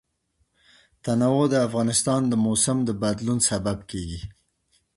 تنوع د افغانستان د موسم د بدلون سبب کېږي.